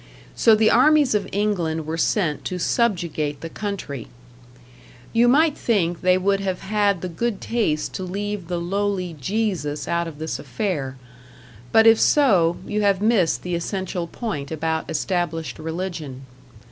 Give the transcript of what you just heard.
So the armies of England were sent to subjugate the country. You might think they would have had the good taste to leave the lowly Jesus out of this affair but if so, you have missed the essential point about established religion.